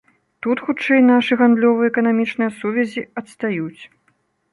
Тут, хутчэй, нашы гандлёва-эканамічныя сувязі адстаюць.